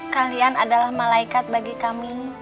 kalian adalah malaikat bagi kami